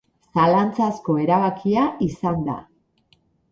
Zalantzazko erabakia izan da.